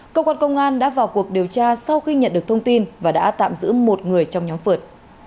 cơ quan công an đã vào cuộc điều tra sau khi nhận được thông tin và đã tạm giữ một người trong nhóm phượt